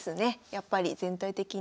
やっぱり全体的に。